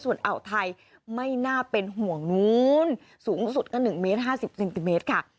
ส่วนอ่าวไทยไม่น่าเป็นห่วงนู้นสูงสุดก็๑เมตร๕๐เซนติเมตรค่ะ